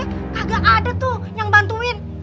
agak ada tuh yang bantuin